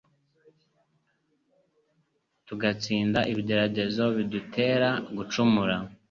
tugatsinda ibigeragezo bidutera gucumura.